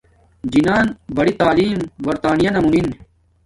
جنان بری تعیم برظانیہ مونن